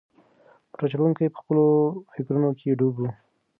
موټر چلونکی په خپلو فکرونو کې ډوب و.